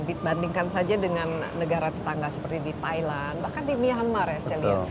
dibandingkan saja dengan negara tetangga seperti di thailand bahkan di myanmar ya saya lihat